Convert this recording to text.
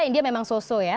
india memang so so ya